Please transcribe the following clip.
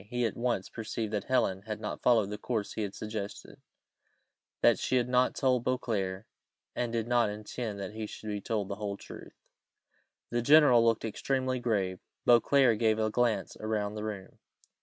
He at once perceived that Helen had not followed the course he had suggested; that she had not told Beauclerc, and did not intend that he should be told the whole truth. The general looked extremely grave; Beauclerc gave a glance round the room.